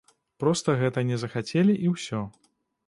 Проста гэта не захацелі і ўсё.